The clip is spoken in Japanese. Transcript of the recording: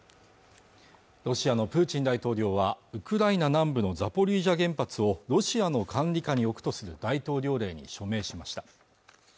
ロシアのプーチン大統領はウクライナ南部のザポリージャ原発をロシアの管理下に置くとする大統領令に署名しました